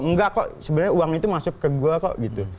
enggak kok sebenarnya uang itu masuk ke gue kok gitu